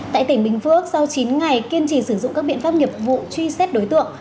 tại tỉnh bình phước sau chín ngày kiên trì sử dụng các biện pháp nghiệp vụ truy xét đối tượng